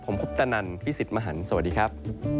ผมพุทธนันทร์พี่สิทธิ์มหันทร์สวัสดีครับ